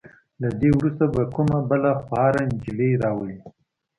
له دې وروسته به کومه بله خواره نجلې راولئ.